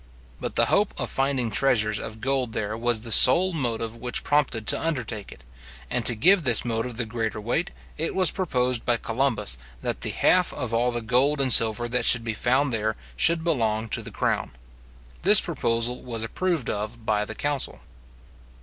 But the hope of finding treasures of gold there was the sole motive which prompted to undertake it; and to give this motive the greater weight, it was proposed by Columbus, that the half of all the gold and silver that should be found there, should belong to the crown. This proposal was approved of by the council.